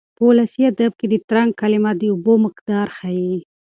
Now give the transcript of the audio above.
په ولسي ادب کې د ترنګ کلمه د اوبو مقدار ښيي.